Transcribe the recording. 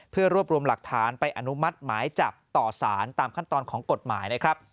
เพื่อรวบรวมหลักฐานไปอนุมัติหมายจับต่อสารตามขั้นตอนของกฎหมายนะครับ